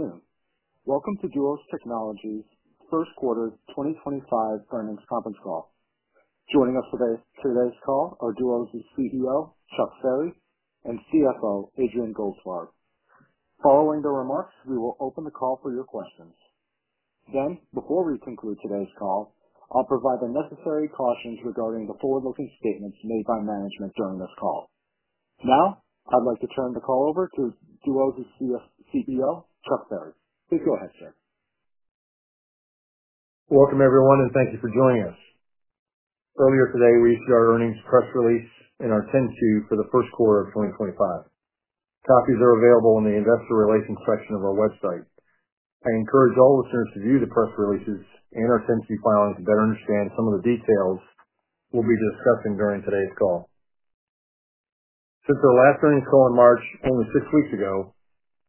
Good afternoon. Welcome to Duos Technologies' first quarter 2025 earnings conference call. Joining us today for today's call are Duos' CEO, Chuck Ferry, and CFO, Adrian Goldfarb. Following their remarks, we will open the call for your questions. Then, before we conclude today's call, I'll provide the necessary cautions regarding the forward-looking statements made by management during this call. Now, I'd like to turn the call over to Duos' CEO, Chuck Ferry. Please go ahead, sir. Welcome, everyone, and thank you for joining us. Earlier today, we issued our earnings press release and our 10-Q for the first quarter of 2025. Copies are available in the investor relations section of our website. I encourage all listeners to view the press releases and our 10-Q filing to better understand some of the details we'll be discussing during today's call. Since our last earnings call in March, only six weeks ago,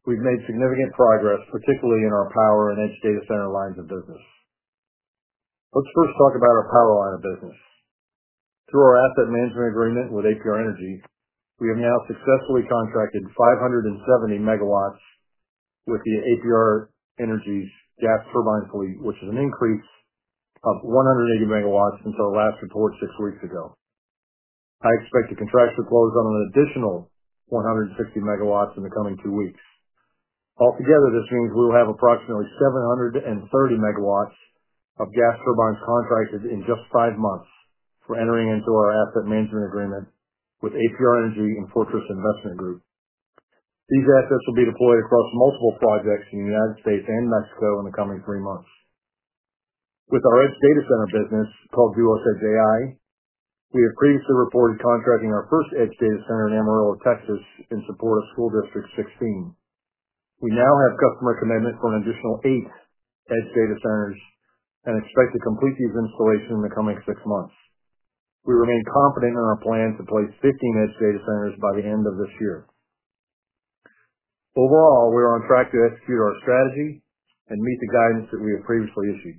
we've made significant progress, particularly in our power and Edge Data Center lines of business. Let's first talk about our power line of business. Through our asset management agreement with APR Energy, we have now successfully contracted 570 MW with APR Energy's gas turbine fleet, which is an increase of 180 MW since our last report six weeks ago. I expect to contractually close on an additional 160 MW in the coming two weeks. Altogether, this means we will have approximately 730 MW of gas turbines contracted in just five months for entering into our asset management agreement with APR Energy and Fortress Investment Group. These assets will be deployed across multiple projects in the United States and Mexico in the coming three months. With our Edge Data Center business called Duos Edge AI, we have previously reported contracting our first Edge Data Center in Amarillo, Texas, in support of School District 16. We now have customer commitment for an additional eight Edge Data Centers and expect to complete these installations in the coming six months. We remain confident in our plan to place 15 Edge Data Centers by the end of this year. Overall, we are on track to execute our strategy and meet the guidance that we have previously issued.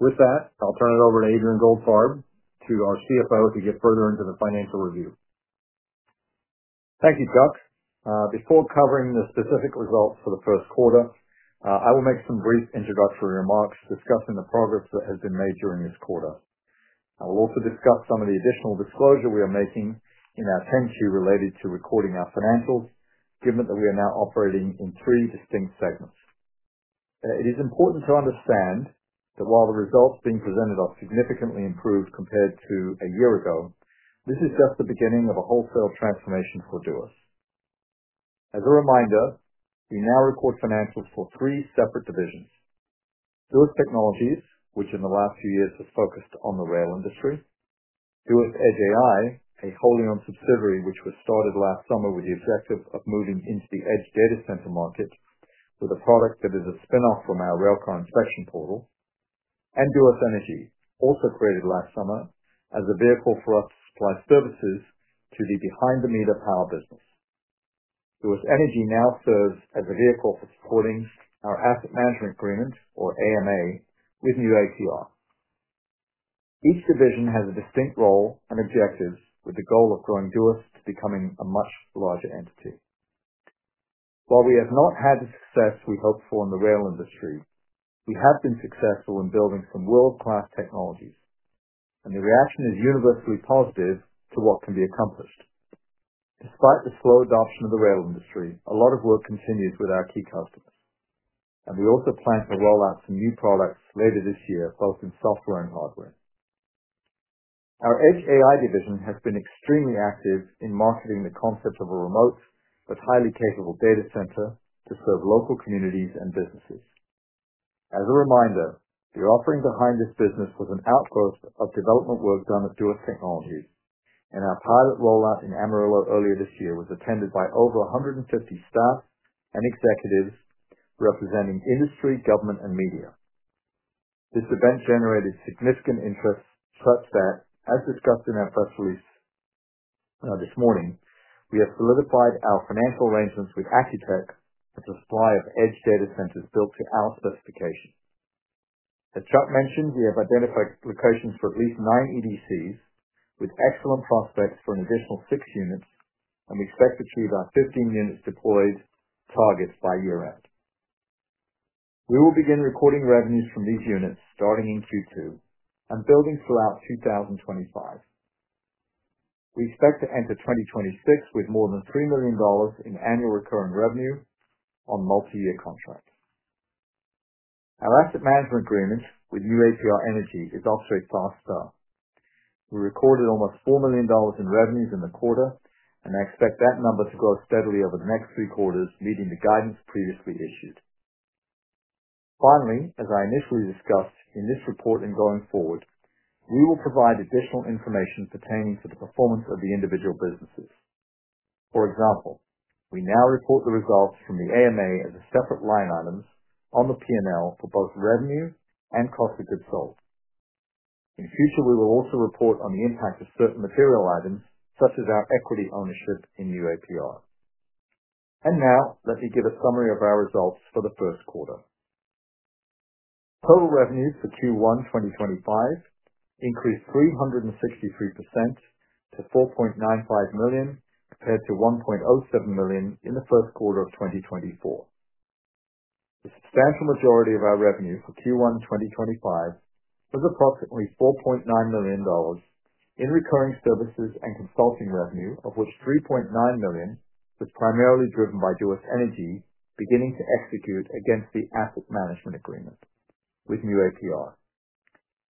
With that, I'll turn it over to Adrian Goldfarb, to our CFO, to get further into the financial review. Thank you, Chuck. Before covering the specific results for the first quarter, I will make some brief introductory remarks discussing the progress that has been made during this quarter. I will also discuss some of the additional disclosure we are making in our 10-Q related to recording our financials, given that we are now operating in three distinct segments. It is important to understand that while the results being presented are significantly improved compared to a year ago, this is just the beginning of a wholesale transformation for Duos. As a reminder, we now record financials for three separate divisions: Duos Technologies, which in the last few years has focused on the rail industry. Duos Edge AI, a wholly-owned subsidiary which was started last summer with the objective of moving into the Edge Data Center market with a product that is a spinoff from our railcar inspection portal. Duos Energy, also created last summer as a vehicle for us to supply services to the behind-the-meter power business. Duos Energy now serves as a vehicle for supporting our asset management agreement, or AMA, with New APR. Each division has a distinct role and objectives with the goal of growing Duos to becoming a much larger entity. While we have not had the success we hoped for in the rail industry, we have been successful in building some world-class technologies, and the reaction is universally positive to what can be accomplished. Despite the slow adoption of the rail industry, a lot of work continues with our key customers, and we also plan to roll out some new products later this year, both in software and hardware. Our Edge AI division has been extremely active in marketing the concept of a remote but highly capable data center to serve local communities and businesses. As a reminder, the offering behind this business was an outgrowth of development work done at Duos Technologies, and our pilot rollout in Amarillo earlier this year was attended by over 150 staff and executives representing industry, government, and media. This event generated significant interest such that, as discussed in our press release this morning, we have solidified our financial arrangements with Accu-Tech for the supply of Edge Data Centers built to our specification. As Chuck mentioned, we have identified locations for at least nine EDCs with excellent prospects for an additional six units, and we expect to achieve our 15 units deployed targets by year-end. We will begin recording revenues from these units starting in Q2 and building throughout 2025. We expect to enter 2026 with more than $3 million in annual recurring revenue on multi-year contracts. Our asset management agreement New APR Energy is off to a fast start. We recorded almost $4 million in revenues in the quarter, and I expect that number to grow steadily over the next three quarters, meeting the guidance previously issued. Finally, as I initially discussed in this report and going forward, we will provide additional information pertaining to the performance of the individual businesses. For example, we now report the results from the AMA as separate line items on the P&L for both revenue and cost of goods sold. In future, we will also report on the impact of certain material items, such as our equity ownership in New APR. Let me give a summary of our results for the first quarter. Total revenues for Q1 2025 increased 363% to $4.95 million compared to $1.07 million in the first quarter of 2024. The substantial majority of our revenue for Q1 2025 was approximately $4.9 million in recurring services and consulting revenue, of which $3.9 million was primarily driven by Duos Energy beginning to execute against the asset management agreement with New APR.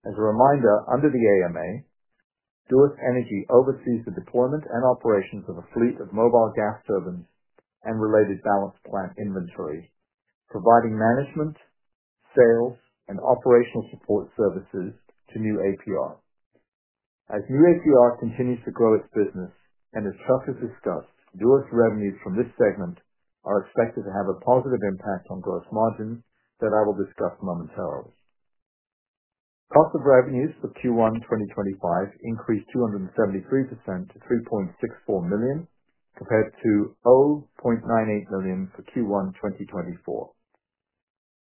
As a reminder, under the AMA, Duos Energy oversees the deployment and operations of a fleet of mobile gas turbines and related balance plant inventory, providing management, sales, and operational support services to New APR. As New APR continues to grow its business, and as Chuck has discussed, Duos revenues from this segment are expected to have a positive impact on gross margins that I will discuss momentarily. Cost of revenues for Q1 2025 increased 273% to $3.64 million compared to $0.98 million for Q1 2024.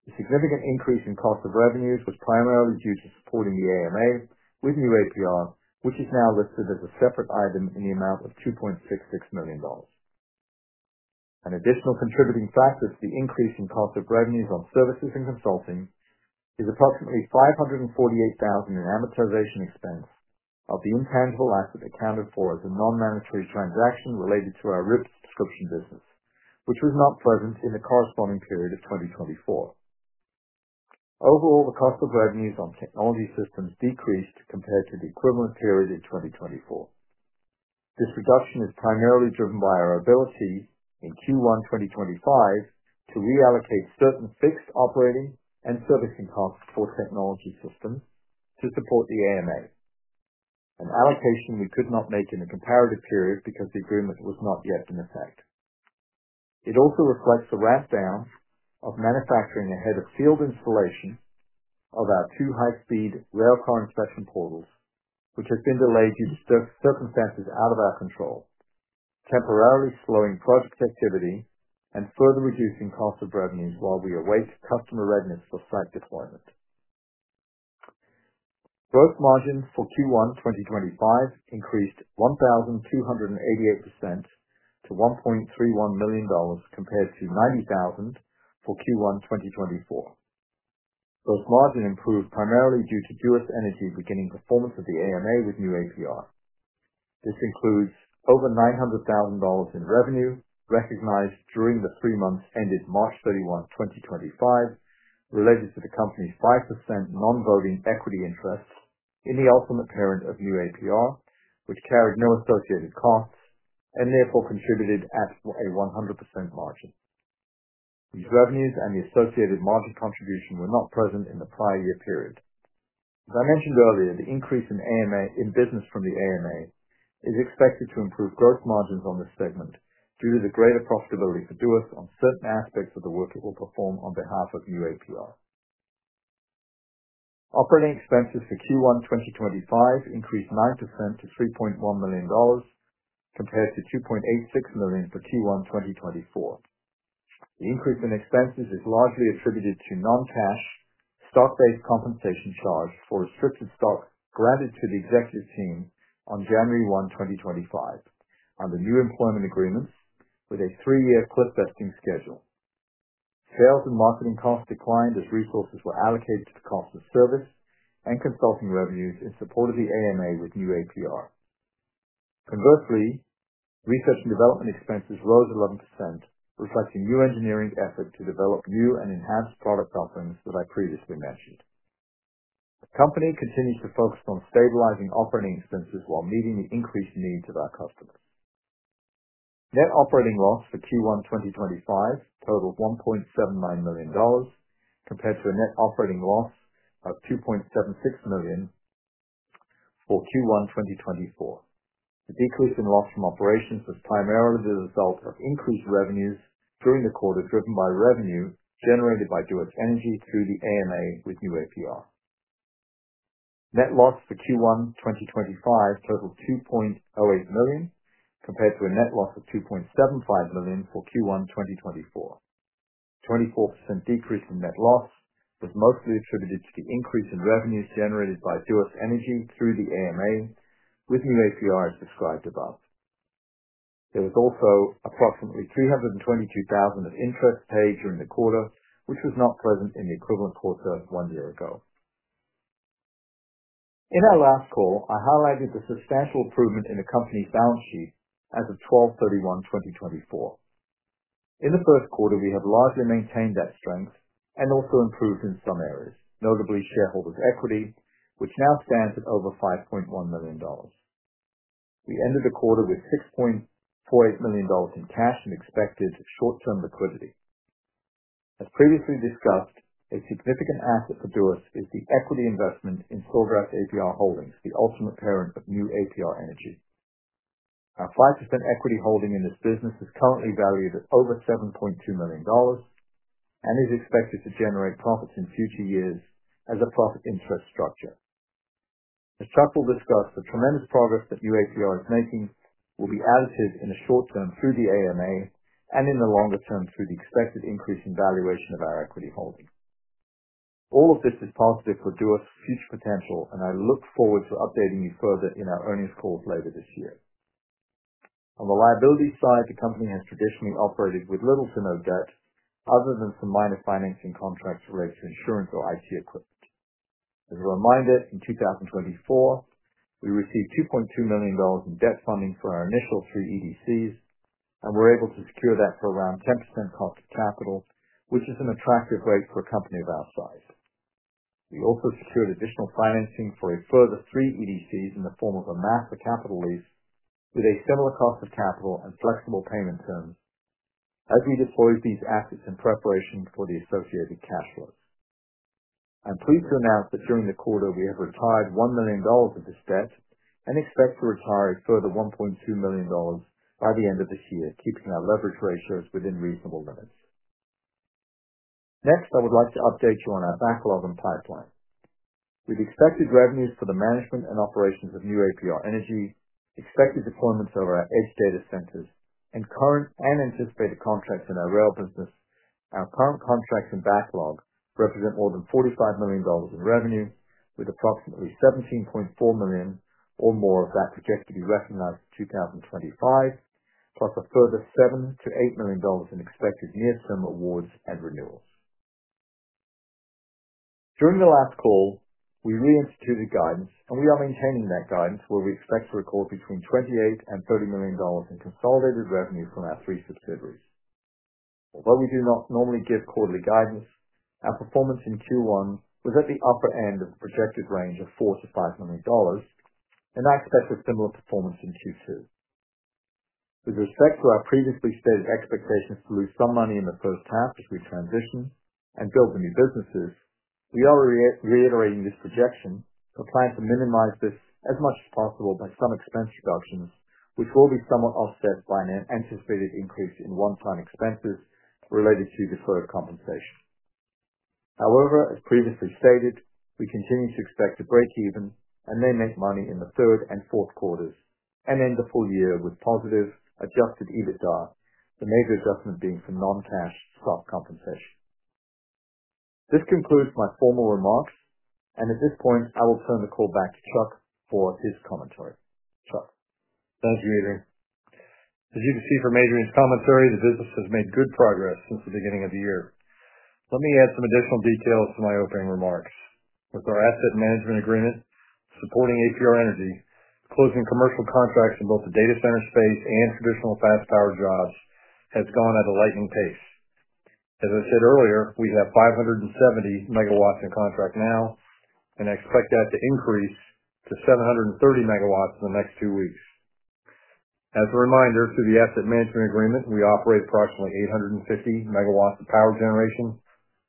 The significant increase in cost of revenues was primarily due to supporting the AMA with New APR, which is now listed as a separate item in the amount of $2.66 million. An additional contributing factor to the increase in cost of revenues on services and consulting is approximately $548,000 in amortization expense of the intangible asset accounted for as a non-monetary transaction related to our RIP subscription business, which was not present in the corresponding period of 2024. Overall, the cost of revenues on technology systems decreased compared to the equivalent period in 2024. This reduction is primarily driven by our ability in Q1 2025 to reallocate certain fixed operating and servicing costs for technology systems to support the AMA, an allocation we could not make in the comparative period because the agreement was not yet in effect. It also reflects the ramp-down of manufacturing ahead of field installation of our two high-speed Railcar Inspection Portals, which has been delayed due to circumstances out of our control, temporarily slowing project activity and further reducing cost of revenues while we await customer readiness for site deployment. Gross margin for Q1 2025 increased 1,288% to $1.31 million compared to $90,000 for Q1 2024. Gross margin improved primarily due to Duos Energy beginning performance of the AMA with New APR. This includes over $900,000 in revenue recognized during the three months ended March 31, 2025, related to the company's 5% non-voting equity interest in the ultimate parent of New APR, which carried no associated costs and therefore contributed at a 100% margin. These revenues and the associated margin contribution were not present in the prior year period. As I mentioned earlier, the increase in business from the AMA is expected to improve gross margins on this segment due to the greater profitability for Duos on certain aspects of the work it will perform on behalf of New APR. Operating expenses for Q1 2025 increased 9% to $3.1 million compared to $2.86 million for Q1 2024. The increase in expenses is largely attributed to non-cash stock-based compensation charge for restricted stock granted to the executive team on January 1, 2025, under new employment agreements with a three-year cliff vesting schedule. Sales and marketing costs declined as resources were allocated to the cost of service and consulting revenues in support of the AMA with New APR. Conversely, research and development expenses rose 11%, reflecting new engineering effort to develop new and enhanced product offerings that I previously mentioned. The company continues to focus on stabilizing operating expenses while meeting the increased needs of our customers. Net operating loss for Q1 2025 totaled $1.79 million compared to a net operating loss of $2.76 million for Q1 2024. The decrease in loss from operations was primarily the result of increased revenues during the quarter driven by revenue generated by Duos Energy through the AMA New APR. Net loss for Q1 2025 totaled $2.08 million compared to a net loss of $2.75 million for Q1 2024. A 24% decrease in net loss was mostly attributed to the increase in revenues generated by Duos Energy through the AMA with New APR as described above. There was also approximately $322,000 of interest paid during the quarter, which was not present in the equivalent quarter one year ago. In our last call, I highlighted the substantial improvement in the company's balance sheet as of 12/31/2024. In the first quarter, we have largely maintained that strength and also improved in some areas, notably shareholders' equity, which now stands at over $5.1 million. We ended the quarter with $6.48 million in cash and expected short-term liquidity. As previously discussed, a significant asset for Duos is the equity investment in Sawgrass APR Holdings, the ultimate parent of New APR Energy. Our 5% equity holding in this business is currently valued at over $7.2 million and is expected to generate profits in future years as a profit-interest structure. As Chuck will discuss, the tremendous progress that New APR is making will be additive in the short term through the AMA and in the longer term through the expected increase in valuation of our equity holding. All of this is positive for Duos' future potential, and I look forward to updating you further in our earnings calls later this year. On the liability side, the company has traditionally operated with little to no debt other than some minor financing contracts related to insurance or IT equipment. As a reminder, in 2024, we received $2.2 million in debt funding for our initial three EDCs and were able to secure that for around 10% cost of capital, which is an attractive rate for a company of our size. We also secured additional financing for a further three EDCs in the form of a master capital lease with a similar cost of capital and flexible payment terms as we deployed these assets in preparation for the associated cash flows. I'm pleased to announce that during the quarter, we have retired $1 million of this debt and expect to retire a further $1.2 million by the end of this year, keeping our leverage ratios within reasonable limits. Next, I would like to update you on our backlog and pipeline. With expected revenues for the management and operations of New APR Energy, expected deployments of our Edge Data Centers, and current and anticipated contracts in our rail business, our current contracts and backlog represent more than $45 million in revenue, with approximately $17.4 million or more of that projected to be recognized in 2025, plus a further $7 million-$8 million in expected near-term awards and renewals. During the last call, we reinstituted guidance, and we are maintaining that guidance where we expect to record between $28 million-$30 million in consolidated revenue from our three subsidiaries. Although we do not normally give quarterly guidance, our performance in Q1 was at the upper end of the projected range of $4 million-$5 million, and I expect a similar performance in Q2. With respect to our previously stated expectation to lose some money in the first half as we transition and build the new businesses, we are reiterating this projection and plan to minimize this as much as possible by some expense reductions, which will be somewhat offset by an anticipated increase in one-time expenses related to deferred compensation. However, as previously stated, we continue to expect a break-even and then make money in the third and fourth quarters and end the full year with positive adjusted EBITDA, the major adjustment being for non-cash stock compensation. This concludes my formal remarks, and at this point, I will turn the call back to Chuck for his commentary. Chuck. Thank you, Adrian. As you can see from Adrian's commentary, the business has made good progress since the beginning of the year. Let me add some additional details to my opening remarks. With our asset management agreement supporting APR Energy, closing commercial contracts in both the data center space and traditional fast-power jobs has gone at a lightning pace. As I said earlier, we have 570 MW in contract now, and I expect that to increase to 730 MW in the next two weeks. As a reminder, through the asset management agreement, we operate approximately 850 MW of power generation,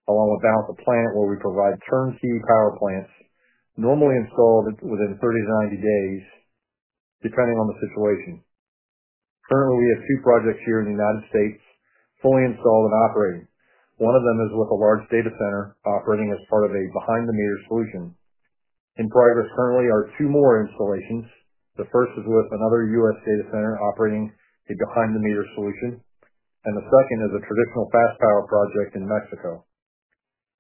along with balance of plant where we provide turnkey power plants normally installed within 30 to 90 days, depending on the situation. Currently, we have two projects here in the United States fully installed and operating. One of them is with a large data center operating as part of a behind-the-meter solution. In progress currently are two more installations. The first is with another US data center operating a behind-the-meter solution, and the second is a traditional fast-power project in Mexico.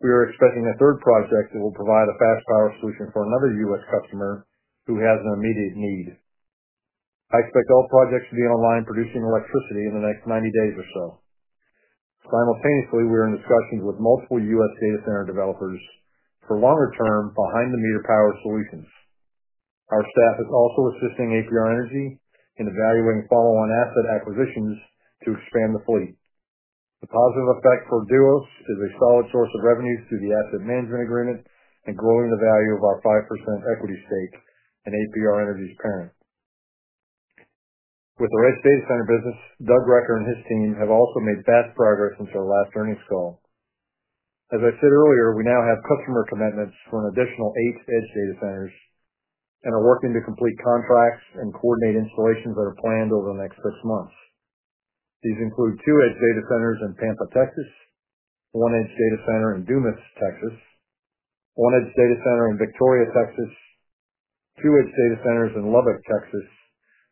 We are expecting a third project that will provide a fast-power solution for another U.S. customer who has an immediate need. I expect all projects to be online producing electricity in the next 90 days or so. Simultaneously, we are in discussions with multiple U.S. data center developers for longer-term behind-the-meter power solutions. Our staff is also assisting APR Energy in evaluating follow-on asset acquisitions to expand the fleet. The positive effect for Duos is a solid source of revenues through the asset management agreement and growing the value of our 5% equity stake in APR Energy's parent. With our Edge Data Center business, Doug Recker and his team have also made fast progress since our last earnings call. As I said earlier, we now have customer commitments for an additional eight Edge Data Centers and are working to complete contracts and coordinate installations that are planned over the next six months. These include two Edge Data Centers in Pampa, Texas, one Edge Data Center in Dumas, Texas, one Edge Data Center in Victoria, Texas, two Edge Data Centers in Lubbock, Texas,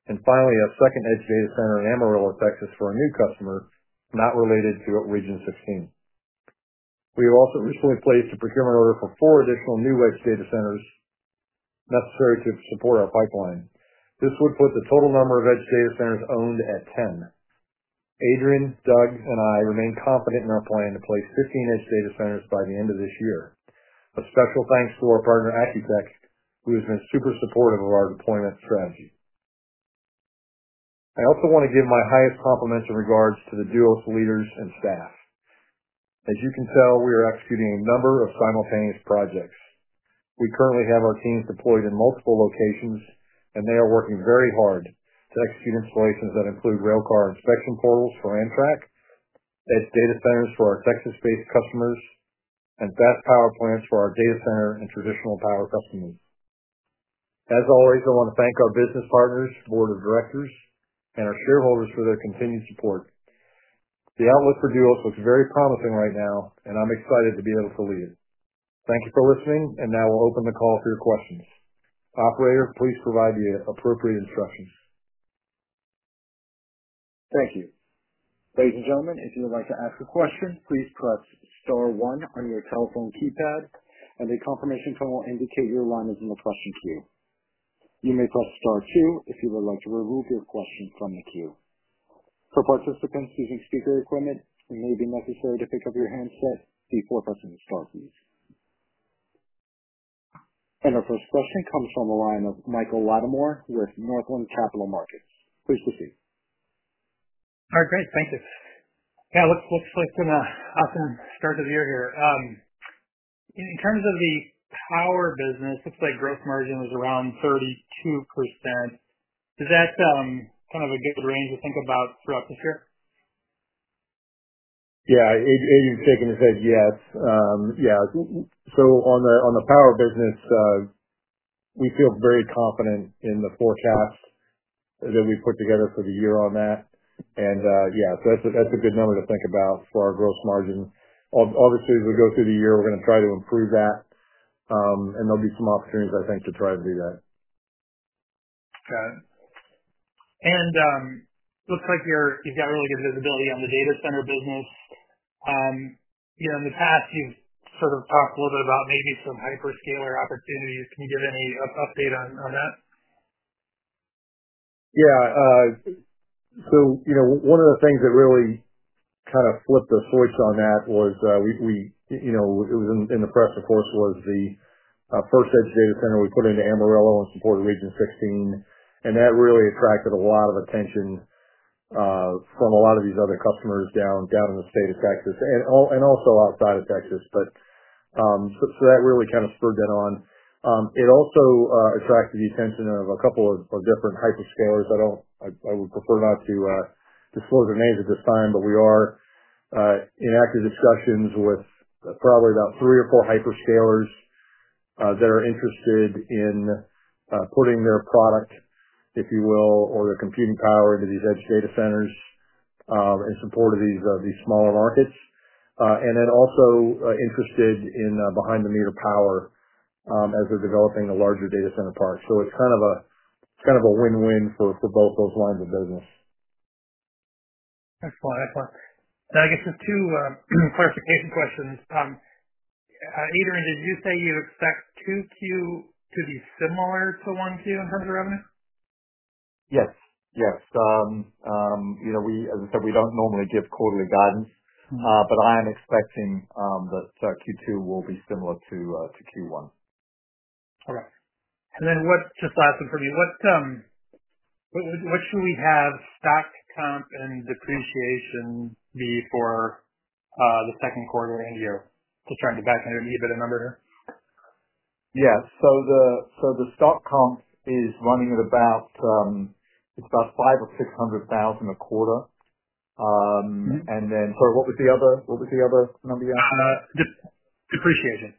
and finally a second Edge Data Center in Amarillo, Texas, for a new customer not related to Region 16. We have also recently placed a procurement order for four additional new Edge Data Centers necessary to support our pipeline. This would put the total number of Edge Data Centers owned at 10. Adrian, Doug, and I remain confident in our plan to place 15 Edge Data Centers by the end of this year. A special thanks to our partner Accu-Tech, who has been super supportive of our deployment strategy. I also want to give my highest compliments and regards to the Duos leaders and staff. As you can tell, we are executing a number of simultaneous projects. We currently have our teams deployed in multiple locations, and they are working very hard to execute installations that include railcar inspection portals for Amtrak, Edge Data Centers for our Texas-based customers, and fast-power plants for our data center and traditional power customers. As always, I want to thank our business partners, board of directors, and our shareholders for their continued support. The outlook for Duos looks very promising right now, and I'm excited to be able to lead it. Thank you for listening, and now we'll open the call for your questions. Operator, please provide the appropriate instructions. Thank you. Ladies and gentlemen, if you would like to ask a question, please press star one on your telephone keypad, and a confirmation tone will indicate your line is in the question queue. You may press star two if you would like to remove your question from the queue. For participants using speaker equipment, it may be necessary to pick up your handset before pressing the star, please. Our first question comes from the line of Michael Lattimore with Northland Capital Markets. Please proceed. All right. Great. Thank you. Yeah, looks like an awesome start to the year here. In terms of the power business, looks like gross margin was around 32%. Is that kind of a good range to think about throughout this year? Yeah. Adrian's shaking his head, yes. Yeah. On the power business, we feel very confident in the forecast that we put together for the year on that. Yeah, that's a good number to think about for our gross margin. Obviously, as we go through the year, we're going to try to improve that, and there'll be some opportunities, I think, to try to do that. Got it. Looks like you've got really good visibility on the data center business. In the past, you've sort of talked a little bit about maybe some hyperscaler opportunities. Can you give any update on that? Yeah. One of the things that really kind of flipped the switch on that was it was in the press, of course, was the first Edge Data Center we put into Amarillo and supported Region 16. That really attracted a lot of attention from a lot of these other customers down in the state of Texas and also outside of Texas. That really kind of spurred that on. It also attracted the attention of a couple of different hyperscalers. I would prefer not to disclose their names at this time, but we are in active discussions with probably about three or four hyperscalers that are interested in putting their product, if you will, or their computing power into these Edge Data Centers in support of these smaller markets, and then also interested in behind-the-meter power as they're developing a larger data center park. It's kind of a win-win for both those lines of business. Excellent. Excellent. Now, I guess just two clarification questions. Adrian, did you say you expect Q2 to be similar to Q1 in terms of revenue? Yes. Yes. As I said, we don't normally give quarterly guidance, but I am expecting that Q2 will be similar to Q1. Okay. And then just last one from me. What should we have stock comp and depreciation be for the second quarter and end of the year? Just trying to back into an EBITDA number here. Yeah. So the stock comp is running at about, it's about $500,000 or $600,000 a quarter. And then sorry, what was the other number you asked? Depreciation.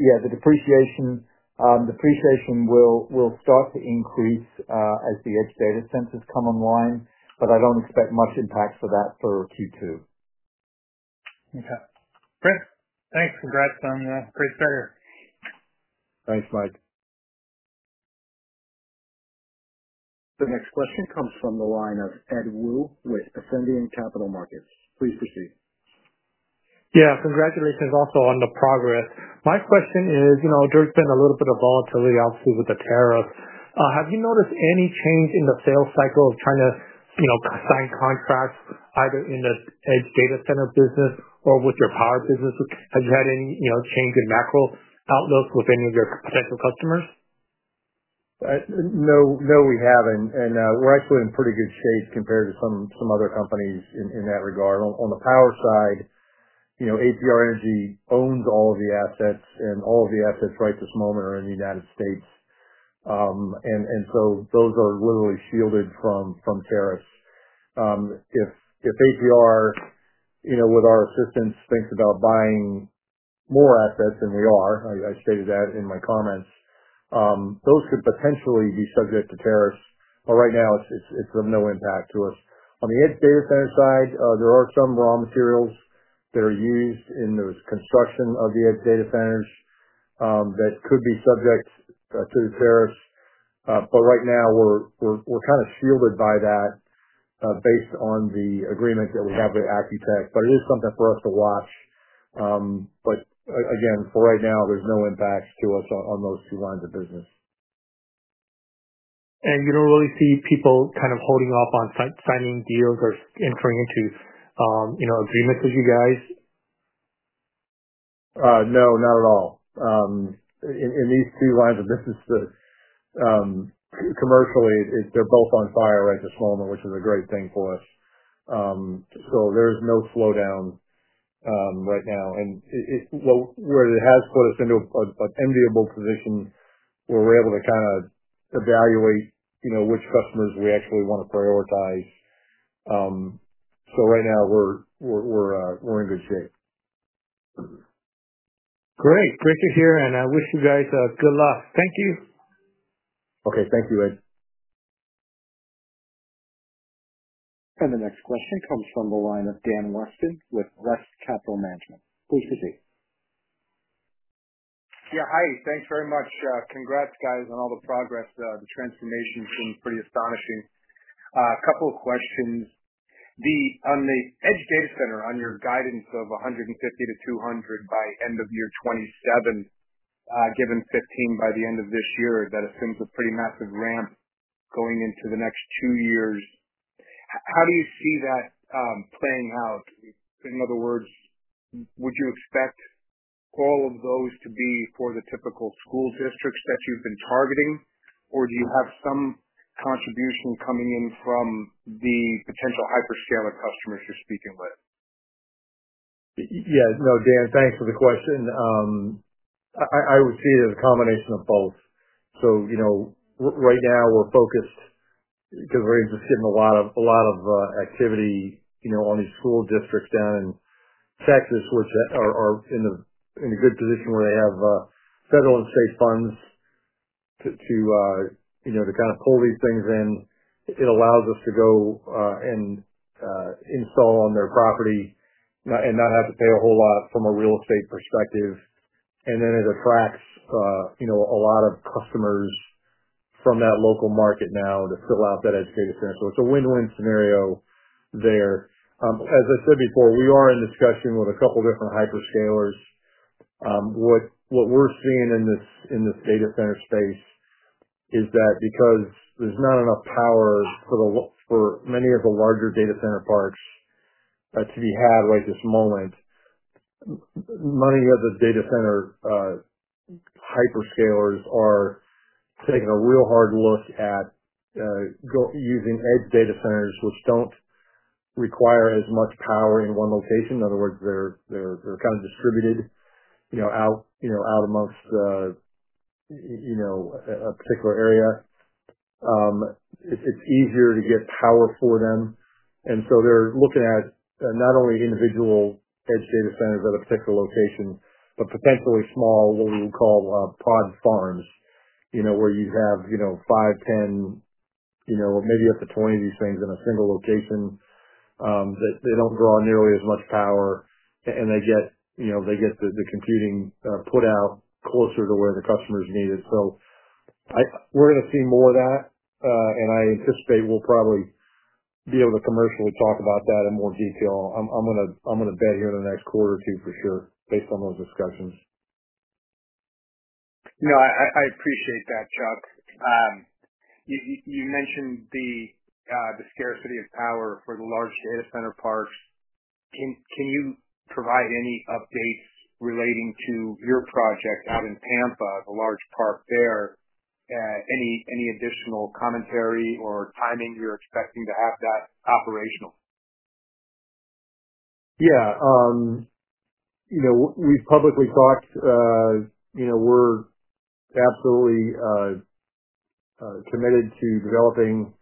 Yeah. The depreciation will start to increase as the Edge Data Centers come online, but I don't expect much impact for that for Q2. Okay. Great. Thanks. Congrats on a great start here. Thanks, Mike. The next question comes from the line of Ed Woo with Ascendiant Capital Markets. Please proceed. Yeah. Congratulations also on the progress. My question is, there's been a little bit of volatility, obviously, with the tariffs. Have you noticed any change in the sales cycle of trying to sign contracts either in the Edge Data Center business or with your power business? Have you had any change in macro outlooks with any of your potential customers? No, we haven't. We're actually in pretty good shape compared to some other companies in that regard. On the power side, APR Energy owns all of the assets, and all of the assets right at this moment are in the United States. Those are literally shielded from tariffs. If APR, with our assistance, thinks about buying more assets than we are, I stated that in my comments, those could potentially be subject to tariffs. Right now, it's of no impact to us. On the Edge Data Center side, there are some raw materials that are used in the construction of the Edge Data Centers that could be subject to the tariffs. Right now, we're kind of shielded by that based on the agreement that we have with Accu-Tech. It is something for us to watch. For right now, there's no impact to us on those two lines of business. You do not really see people kind of holding off on signing deals or entering into agreements with you guys? No, not at all. In these two lines of business, commercially, they're both on fire right at this moment, which is a great thing for us. There is no slowdown right now. It has put us into an enviable position where we're able to kind of evaluate which customers we actually want to prioritize. Right now, we're in good shape. Great. Great to hear. I wish you guys good luck. Thank you. Okay. Thank you, Ed. The next question comes from the line of Dan Weston with West Capital Management. Please proceed. Yeah. Hi. Thanks very much. Congrats, guys, on all the progress. The transformation's been pretty astonishing. A couple of questions. On the Edge Data Center, on your guidance of 150-200 by end of year 2027, given 15 by the end of this year, that assumes a pretty massive ramp going into the next two years. How do you see that playing out? In other words, would you expect all of those to be for the typical school districts that you've been targeting, or do you have some contribution coming in from the potential hyperscaler customers you're speaking with? Yeah. No, Dan, thanks for the question. I would see it as a combination of both. Right now, we're focused because we're just getting a lot of activity on these school districts down in Texas, which are in a good position where they have federal and state funds to kind of pull these things in. It allows us to go and install on their property and not have to pay a whole lot from a real estate perspective. It attracts a lot of customers from that local market now to fill out that Edge Data Center. It's a win-win scenario there. As I said before, we are in discussion with a couple of different hyperscalers. What we're seeing in this data center space is that because there's not enough power for many of the larger data center parks to be had right at this moment, many of the data center hyperscalers are taking a real hard look at using Edge Data Centers, which don't require as much power in one location. In other words, they're kind of distributed out amongst a particular area. It's easier to get power for them. They are looking at not only individual Edge Data Centers at a particular location, but potentially small, what we would call pod farms, where you'd have 5, 10, maybe up to 20 of these things in a single location. They don't draw nearly as much power, and they get the computing put out closer to where the customers need it. We're going to see more of that, and I anticipate we'll probably be able to commercially talk about that in more detail. I'm going to bet here in the next quarter or two for sure, based on those discussions. No, I appreciate that, Chuck. You mentioned the scarcity of power for the large data center parks. Can you provide any updates relating to your project out in Pampa, the large park there? Any additional commentary or timing you're expecting to have that operational? Yeah. We've publicly talked. We're absolutely committed to developing.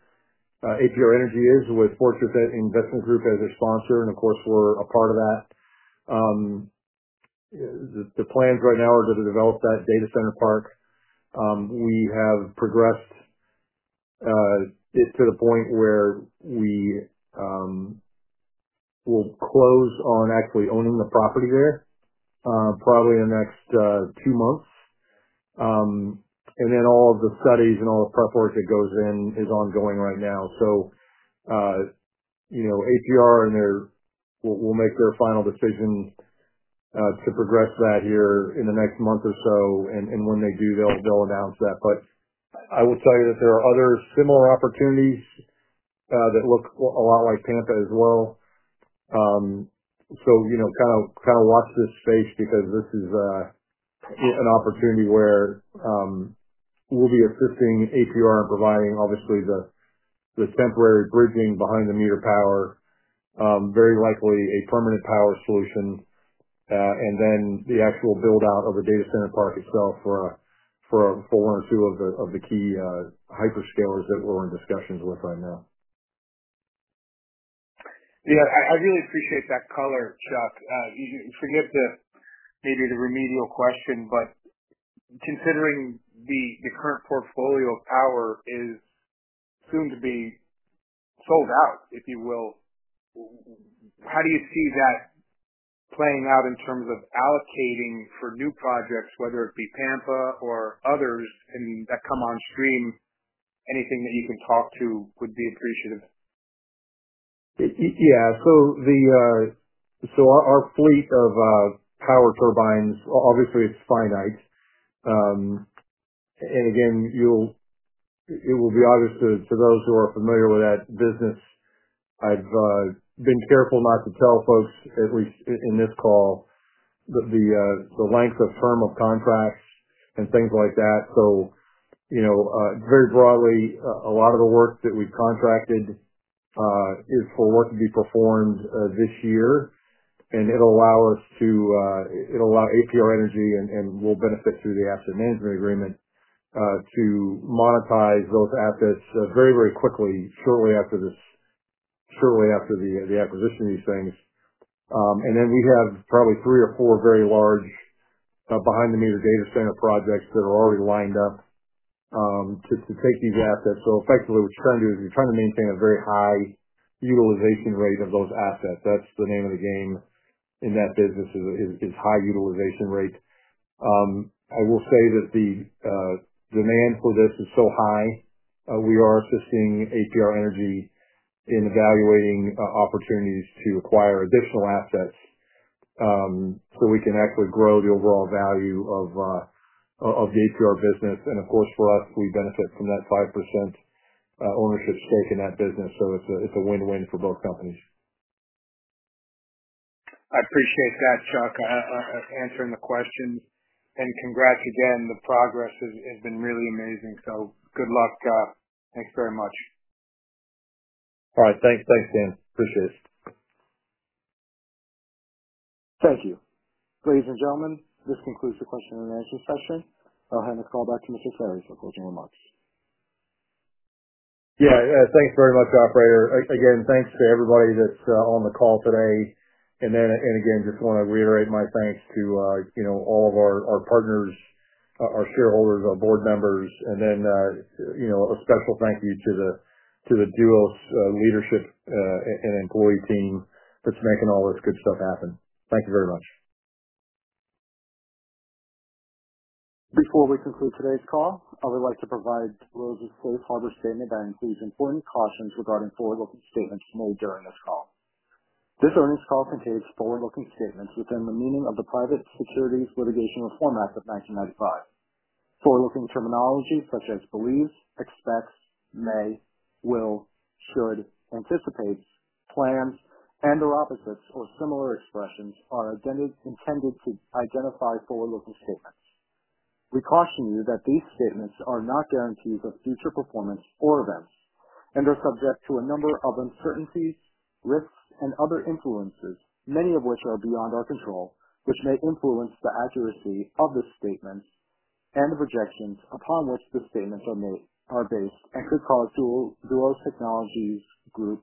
APR Energy is with Fortress Investment Group as their sponsor. Of course, we're a part of that. The plans right now are to develop that data center park. We have progressed to the point where we will close on actually owning the property there probably in the next two months. All of the studies and all the prep work that goes in is ongoing right now. APR will make their final decision to progress that here in the next month or so. When they do, they'll announce that. I will tell you that there are other similar opportunities that look a lot like Pampa as well. Kind of watch this space because this is an opportunity where we'll be assisting APR in providing, obviously, the temporary bridging behind-the-meter power, very likely a permanent power solution, and then the actual build-out of a data center park itself for one or two of the key hyperscalers that we're in discussions with right now. Yeah. I really appreciate that color, Chuck. Forget maybe the remedial question, but considering the current portfolio of power is soon to be sold out, if you will, how do you see that playing out in terms of allocating for new projects, whether it be Pampa or others that come on stream? Anything that you can talk to would be appreciative. Yeah. So our fleet of power turbines, obviously, it's finite. Again, it will be obvious to those who are familiar with that business. I've been careful not to tell folks, at least in this call, the length of term of contracts and things like that. Very broadly, a lot of the work that we've contracted is for work to be performed this year. It'll allow us to—it'll allow APR Energy, and we'll benefit through the asset management agreement to monetize those assets very, very quickly, shortly after the acquisition of these things. We have probably three or four very large behind-the-meter data center projects that are already lined up to take these assets. Effectively, what you're trying to do is you're trying to maintain a very high utilization rate of those assets. That's the name of the game in that business is high utilization rate. I will say that the demand for this is so high. We are assisting APR Energy in evaluating opportunities to acquire additional assets so we can actually grow the overall value of the APR business. Of course, for us, we benefit from that 5% ownership stake in that business. It is a win-win for both companies. I appreciate that, Chuck, answering the questions. Congrats again. The progress has been really amazing. Good luck. Thanks very much. All right. Thanks, Dan. Appreciate it. Thank you. Ladies and gentlemen, this concludes the question and answer session. I'll hand the call back to Mr. Ferry for closing remarks. Yeah. Thanks very much, operator. Again, thanks to everybody that's on the call today. I just want to reiterate my thanks to all of our partners, our shareholders, our board members. And then a special thank you to the Duos leadership and employee team that's making all this good stuff happen. Thank you very much. Before we conclude today's call, I would like to provide Duos' safe harbor statement that includes important cautions regarding forward-looking statements made during this call. This earnings call contains forward-looking statements within the meaning of the Private Securities Litigation Reform Act of 1995. Forward-looking terminology such as believes, expects, may, will, should, anticipates, plans, and/or opposites, or similar expressions are intended to identify forward-looking statements. We caution you that these statements are not guarantees of future performance or events and are subject to a number of uncertainties, risks, and other influences, many of which are beyond our control, which may influence the accuracy of the statements and the projections upon which the statements are based and could cause Duos Technologies Group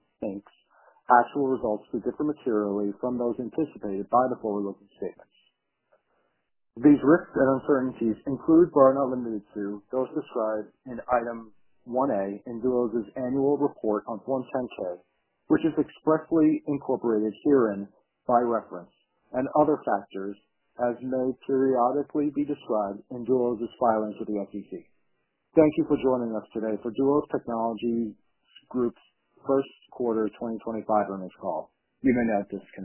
actual results to differ materially from those anticipated by the forward-looking statements. These risks and uncertainties include, but are not limited to, those described in item 1A in Duos' annual report on Form 10-K, which is expressly incorporated herein by reference, and other factors as may periodically be described in Duos' filing to the SEC. Thank you for joining us today for Duos Technologies Group's first quarter 2025 earnings call. You may now disconnect.